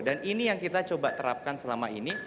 dan ini yang kita coba terapkan selama ini